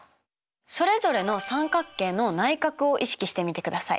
それぞれの三角形の内角を意識してみてください。